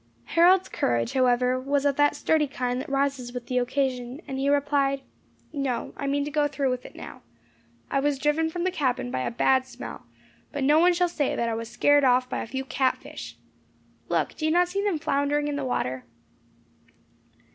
Harold's courage, however, was of that sturdy kind that rises with the occasion, and he replied, "No, I mean to go through with it now. I was driven from the cabin by a bad smell, but no one shall say that I was scared off by a few catfish. Look, do you not see them floundering in the water?"